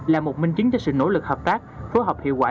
là một minh chứng cho sự nỗ lực hợp tác phối hợp hiệu quả